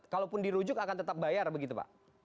kalaupun dirujuk akan tetap bayar begitu pak